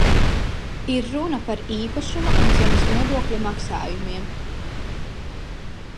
Ir runa par īpašuma un zemes nodokļa maksājumiem.